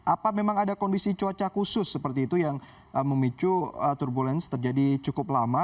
apa memang ada kondisi cuaca khusus seperti itu yang memicu turbulensi terjadi cukup lama